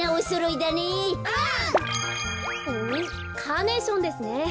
カーネーションですね。